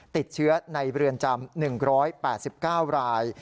ติดเชื้อในเรือนจำ๑๘๙ราย